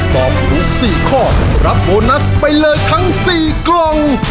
ตอบถูก๔ข้อรับโบนัสไปเลยทั้ง๔กล่อง